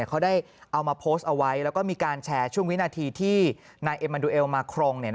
เขาได้เอามาโพสต์เอาไว้แล้วก็มีการแชร์ช่วงวินาทีที่นายเอ็มมันดูเอลมาครง